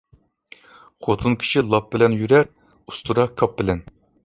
خوتۇن كىشى لاپ بىلەن يۈرەر، ئۇستىرا كاپ بىلەن.